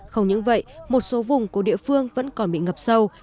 không những vậy một số vùng của địa phương vẫn còn bị ngập sâu